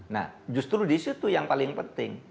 nah justru disitu yang paling penting